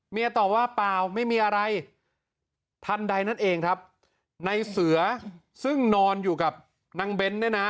ตอบว่าเปล่าไม่มีอะไรทันใดนั่นเองครับในเสือซึ่งนอนอยู่กับนางเบ้นเนี่ยนะ